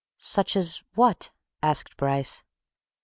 "Such as what?" asked Bryce.